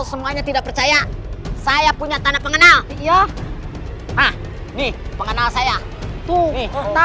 sebenarnya tidak percaya saya punya tanah pengenal ya nih pengenal saya tuh